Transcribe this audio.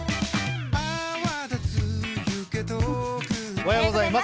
⁉おはようございます。